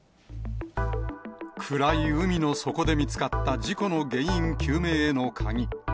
暗い海の底で見つかった事故の原因究明への鍵。